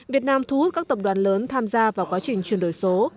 việt nam thu hút các tập đoàn lớn tham gia vào quá trình chuyển đổi số